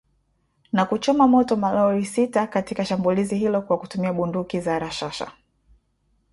na kuchoma moto malori sita katika shambulizi hilo kwa kutumia bunduki za rashasha